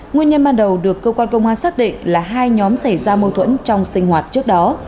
nguyên nhân ban đầu được cơ quan công an xác định là hai nhóm xảy ra mâu thuẫn trong sinh hoạt trước đó